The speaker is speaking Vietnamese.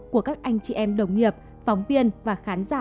của các anh chị em đồng nghiệp phóng viên và khán giả